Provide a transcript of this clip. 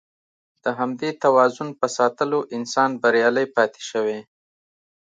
د همدې توازن په ساتلو انسان بریالی پاتې شوی.